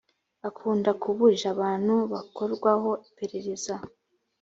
akunda kuburira abantu bakorwaho iperereza